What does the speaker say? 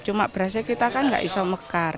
cuma berasnya kita kan nggak iso mekar